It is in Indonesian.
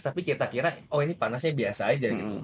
tapi kita kira oh ini panasnya biasa aja gitu